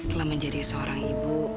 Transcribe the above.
setelah menjadi seorang ibu